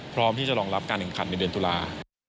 พร้อมที่จะรองรับการแข่งขันในเดือนตุลา